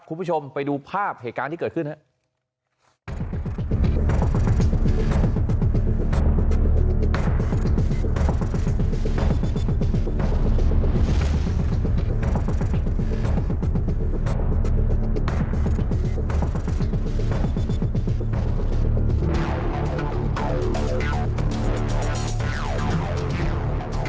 คุณผู้ชมไปดูภาพเหตุการณ์ที่เกิดขึ้นครับ